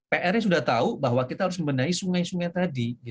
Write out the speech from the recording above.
pr nya sudah tahu bahwa kita harus membenahi sungai sungai tadi